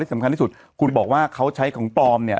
สำคัญที่สุดคุณบอกว่าเขาใช้ของปลอมเนี่ย